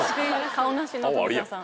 カオナシの富澤さん。